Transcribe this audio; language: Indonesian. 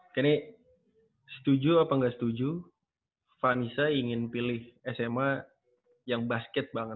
oke ini setuju apa gak setuju vanessa ingin pilih sma yang basket banget